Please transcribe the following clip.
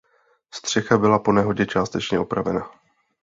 Střecha byla po nehodě částečně opravena.